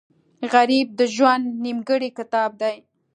غریب د ژوند نیمګړی کتاب دی